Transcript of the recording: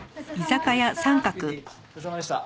ごちそうさまでした。